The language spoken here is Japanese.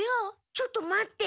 ちょっと待って。